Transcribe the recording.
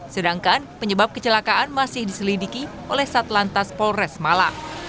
sedangkan penyebab kecelakaan masih diselidiki oleh satlantas polres malang